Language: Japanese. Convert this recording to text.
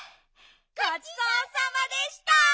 ごちそうさまでした！